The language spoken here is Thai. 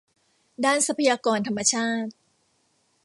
ด้านทรัพยากรธรรมชาติ